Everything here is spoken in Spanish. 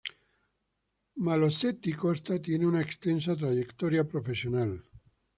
Malosetti Costa tiene una extensa trayectoria profesional.